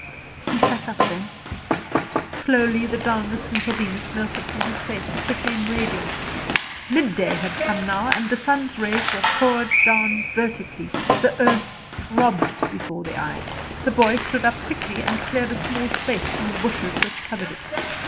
He sat up then. Slowly the dulness and heaviness melted from his face; it became radiant. Midday had come now, and the sun's rays were poured down vertically; the earth throbbed before the eye. The boy stood up quickly, and cleared a small space from the bushes which covered it.